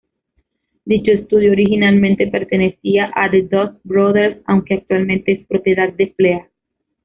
Dicho estudio, originalmente pertenecía a The Dust Brothers aunque actualmente es propiedad de Flea.